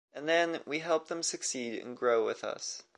And then, we help them succeed and grow with us